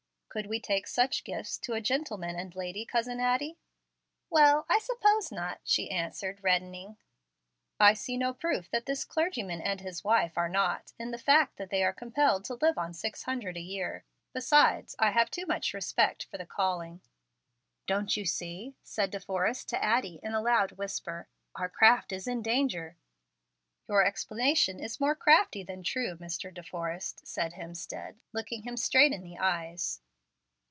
"Could we take such gifts to a gentleman and lady, Cousin Addie?" "Well, I suppose not," she answered, reddening. "I see no proof that this clergyman and his wife are not in the fact that they are compelled to live on six hundred a year. Besides, I have too much respect for the calling." "Don't you see?" said De Forrest to Addie, in a loud whisper. "'Our craft is in danger.'" "Your explanation is more crafty than true, Mr. De Forrest," said Hemstead, looking him straight in the eyes.